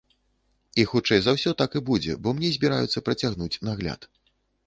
І, хутчэй за ўсё, так і будзе, бо мне збіраюцца працягнуць нагляд.